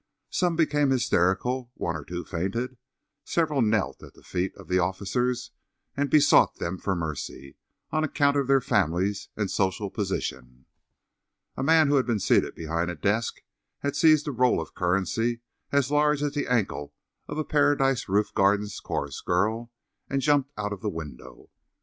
Some became hysterical; one or two fainted; several knelt at the feet of the officers and besought them for mercy on account of their families and social position. A man who had been seated behind a desk had seized a roll of currency as large as the ankle of a Paradise Roof Gardens chorus girl and jumped out of the window.